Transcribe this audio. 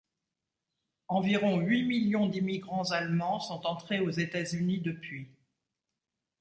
Environ huit millions d'immigrants allemands sont entrés aux États-Unis depuis.